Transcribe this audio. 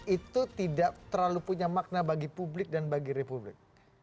itu tidak terlalu punya makna bagi publik dan bagi republik